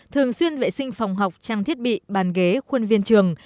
thường xuyên vệ sinh phòng học trang thiết bị bàn ghế khuôn viên trường